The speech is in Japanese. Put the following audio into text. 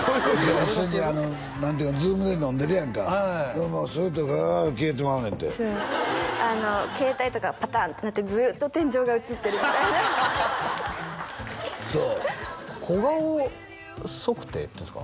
いや何ていうのＺｏｏｍで飲んでるやんかそのままスッとふわ消えてまうねんて携帯とかパタンってなってずっと天井が映ってるみたいなそう小顔測定っていうんですか？